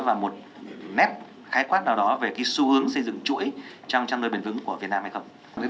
và một nét khái quát nào đó về cái xu hướng xây dựng chuỗi trong chăn nuôi biển vững của việt nam hay không